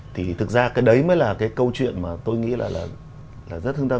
thì thực ra cái đấy mới là cái câu chuyện mà tôi nghĩ là rất hương tâm